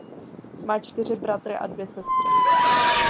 Má čtyři bratry a dvě sestry.